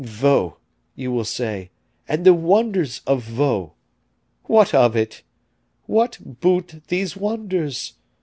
Vaux! you will say, and the wonders of Vaux! What of it? What boot these wonders?